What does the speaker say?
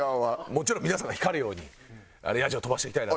もちろん皆さんが光るようにヤジを飛ばしていきたいなと。